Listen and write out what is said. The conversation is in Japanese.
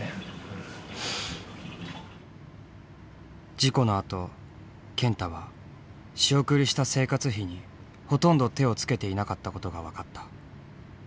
事故のあと健太は仕送りした生活費にほとんど手をつけていなかったことが分かった。